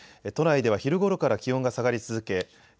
都内では昼ごろから気温が下がり続け